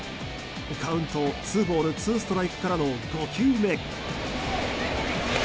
カウントツーボールツーストライクからの５球目。